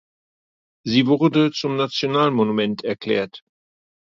Sie wurde zum National Monument erklärt.